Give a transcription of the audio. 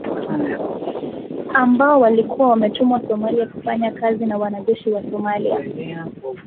ambao walikuwa wametumwa Somalia kufanya kazi na wanajeshi wa Somalia